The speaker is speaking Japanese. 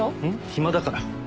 暇だから。